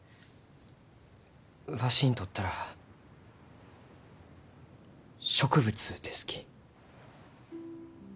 わしにとったら植物ですき。